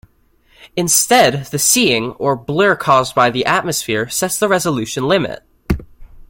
Instead, the seeing, or blur caused by the atmosphere, sets the resolution limit.